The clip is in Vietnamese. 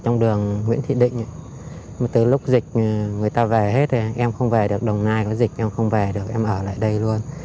người ta về hết rồi em không về được đồng nai có dịch em không về được em ở lại đây luôn